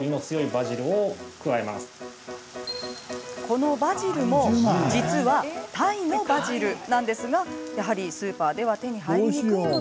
このバジルも実はタイのバジルなんですがスーパーでは手に入りにくいので。